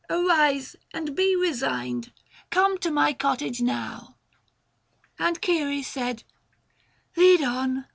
Arise, and be resigned ; Come to my cottage now." And Ceres said, "Lead on!